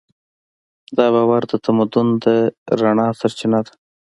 دا باور د تمدن د رڼا سرچینه ده.